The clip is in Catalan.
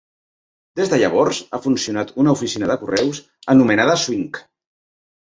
Des de llavors ha funcionat una oficina de correus anomenada Swink.